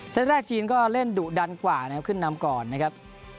แรกจีนก็เล่นดุดันกว่านะครับขึ้นนำก่อนนะครับ